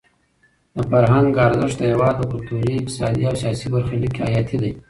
د فرهنګ ارزښت د هېواد په کلتوري، اقتصادي او سیاسي برخلیک کې حیاتي دی.